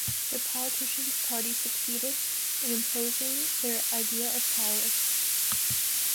The politicians’ party succeeded in imposing their idea of power.